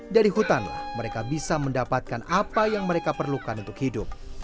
dari hutanlah mereka bisa mendapatkan apa yang mereka perlukan untuk hidup